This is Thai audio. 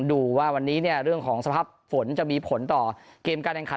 ดูว่าวันนี้เนี่ยเรื่องของสภาพฝนจะมีผลต่อเกมการแข่งขัน